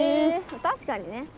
確かにね。